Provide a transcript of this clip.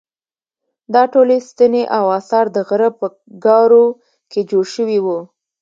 دا ټولې ستنې او اثار د غره په ګارو کې جوړ شوي وو.